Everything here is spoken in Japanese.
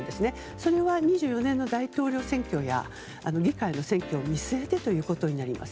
それは２０２４年の大統領選挙や議会の選挙を見据えてということになります。